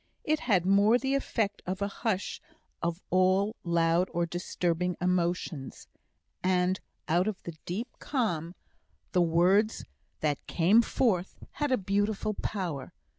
It had more the effect of a hush of all loud or disturbing emotions, and out of the deep calm the words that came forth had a beautiful power.